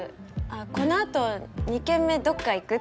このあと２軒目どっか行く？って